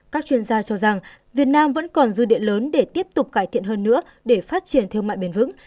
các chuyên gia cho rằng việt nam vẫn còn dư địa lớn để tiếp tục cải thiện hơn nữa để phát triển thương mại bền vững